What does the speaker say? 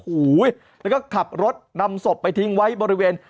โอ้โหแล้วก็ขับรถนำศพไปทิ้งไว้บริเวณ